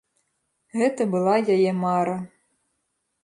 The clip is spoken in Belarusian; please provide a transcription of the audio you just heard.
Гэта была яе мара.